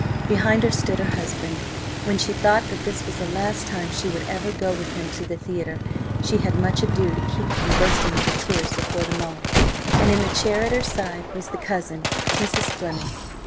Behind her stood her husband–when she thought that this was the last time she would ever go with him to the theatre she had much ado to keep from bursting into tears before them all–and in the chair at her side was the cousin, Mrs. Fleming.